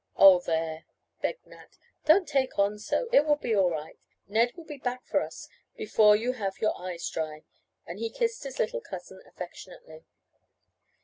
"Oh, there!" begged Nat. "Don't take on so. It will be all right. Ned will be back for us before you have your eyes dry," and he kissed his little cousin affectionately.